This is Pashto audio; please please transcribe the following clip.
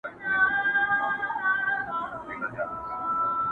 د پښتنو درنې جرګې به تر وړۍ سپکي سي.!